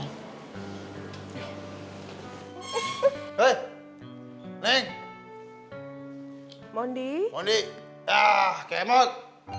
hai hey hey hai mondi mondi ah kemot